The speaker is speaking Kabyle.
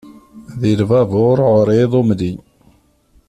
Di lbabur uɛriḍ umli.